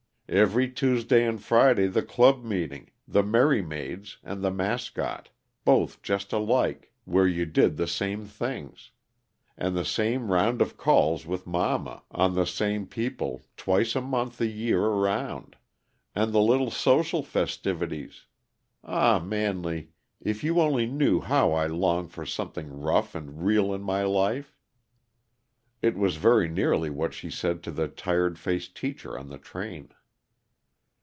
Every Tuesday and Friday the club meeting the Merry Maids, and the Mascot, both just alike, where you did the same things. And the same round of calls with mamma, on the same people, twice a month the year round. And the little social festivities ah, Manley, if you only knew how I tong for something rough and real in my life!" It was very nearly what she said to the tired faced teacher on the train.